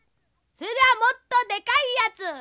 それではもっとでかいやつ！